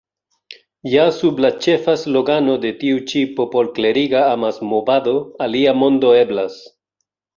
Ja sub la ĉefa slogano de tiu ĉi popolkleriga amasmovado Alia mondo eblas!